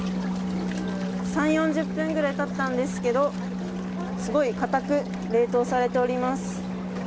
３、４０分ぐらい経ったんですけどすごい固く冷凍されております。